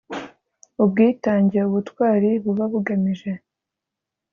ubwitange ubutwari buba bugamije